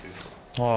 はい。